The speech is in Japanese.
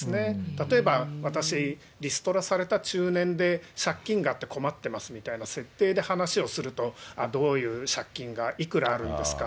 例えば、私、リストラされた中年で、借金があって困ってますみたいな設定で話をすると、あっ、どういう借金がいくらあるんですか？